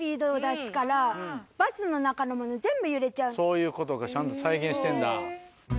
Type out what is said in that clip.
そういうことかちゃんと再現してんだ。